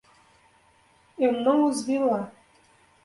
Eu não os vi lá.